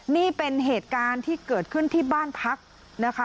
นี่เป็นเหตุการณ์ที่เกิดขึ้นที่บ้านพักนะคะ